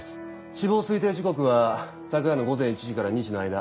死亡推定時刻は昨夜の午前１時から２時の間。